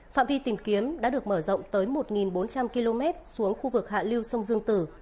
phạm vi tìm kiếm đã được mở rộng tới một bốn trăm linh km xuống khu vực hạ lưu sông dương tử